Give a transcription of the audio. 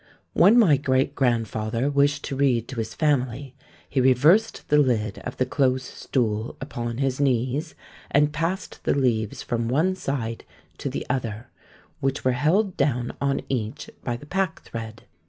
"When my great grandfather wished to read to his family, he reversed the lid of the close stool upon his knees, and passed the leaves from one side to the other, which were held down on each by the packthread.